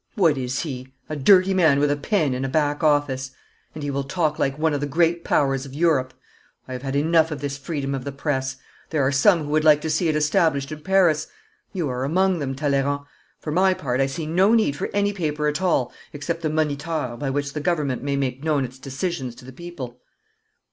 'What is he? A dirty man with a pen in a back office. And he will talk like one of the great Powers of Europe. I have had enough of this freedom of the Press. There are some who would like to see it established in Paris. You are among them, Talleyrand. For my part I see no need for any paper at all except the Moniteur by which the Government may make known its decisions to the people.'